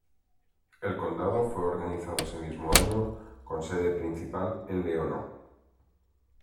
El condado fue organizado ese mismo año, con sede principal en Leona.